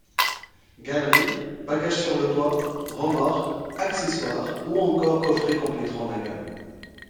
Galeries, bagages sur le toit, remorques, accessoires ou encore coffrets complèteront la gamme.